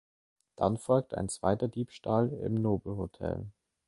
Dann folgt ein zweiter Diebstahl im Nobelhotel.